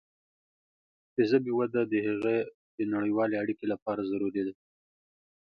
د ژبې وده د هغې د نړیوالې اړیکې لپاره ضروري ده.